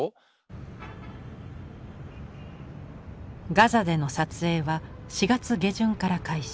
ガザでの撮影は４月下旬から開始。